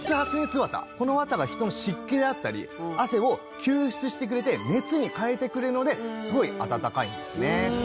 綿この綿が人の湿気だったり汗を吸湿してくれて熱に変えてくれるのですごい暖かいんですね。